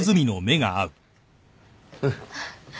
うん。